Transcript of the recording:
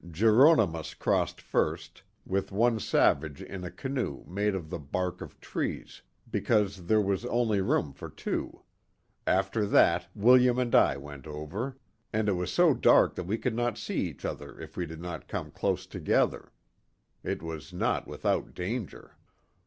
Jeronimus crossed first, 22 The Mohawk Valley with one savage in a canoe made of the bark of trees, because there was only room for two; after that Willem and I went over; and it was so dark that we could not see each other if we did not come close together. It was not without danger.